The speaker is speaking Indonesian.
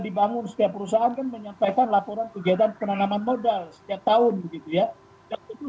dibangun setiap perusahaan kan menyampaikan laporan kegiatan penanaman modal setiap tahun gitu ya yang tentu